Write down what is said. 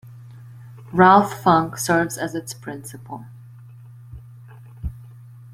Ralph Funk serves as its principal.